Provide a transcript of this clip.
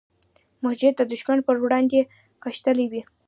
مجاهد د ښمن پر وړاندې غښتلی وي.